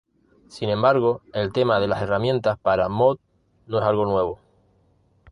Sin embargo, el tema de las herramientas para mod no es algo nuevo.